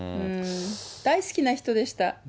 大好きな人でした。